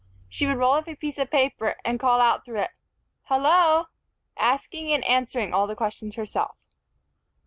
She would roll up a piece of paper, and call out through it, "Hullo!" asking and answering all the questions herself.